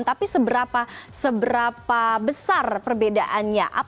tapi seberapa besar perbedaannya